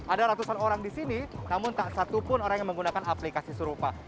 ada ratusan orang di sini namun tak satupun orang yang menggunakan aplikasi serupa